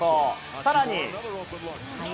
さらに。